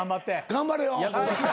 頑張れよ。